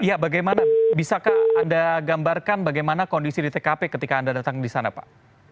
ya bagaimana bisakah anda gambarkan bagaimana kondisi di tkp ketika anda datang di sana pak